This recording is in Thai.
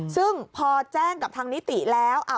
ซึ่งพอแจ้งกับทางนิติแล้ว